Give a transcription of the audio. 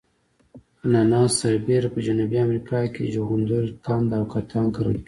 اناناس سربېره په جنوبي امریکا کې جغندر قند او کتان کرل کیږي.